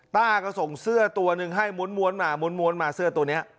ป้าก็ส่งเสื้อตัวหนึ่งให้ม้วนมาม้วนมาเสื้อตัวนี้